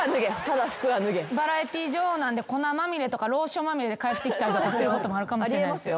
バラエティー女王なんで粉まみれとかローションまみれで帰ってきたりとかすることもあるかもしれないですよ。